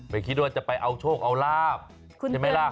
คิดว่าจะไปเอาโชคเอาลาบใช่ไหมล่ะ